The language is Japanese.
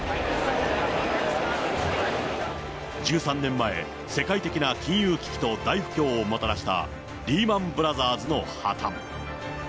１３年前、世界的な金融危機と大不況をもたらしたリーマン・ブラザーズの破綻。